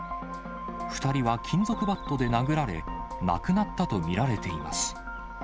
２人は金属バットで殴られ、亡くなったと見られています。